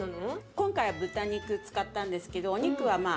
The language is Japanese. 今回は豚肉使ったんですけどお肉ははっ！